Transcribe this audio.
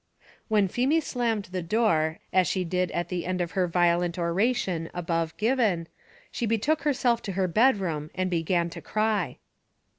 When Feemy slammed the door, as she did at the end of her violent oration above given, she betook herself to her bedroom, and began to cry.